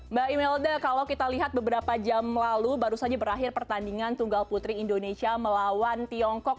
mbak imelda kalau kita lihat beberapa jam lalu baru saja berakhir pertandingan tunggal putri indonesia melawan tiongkok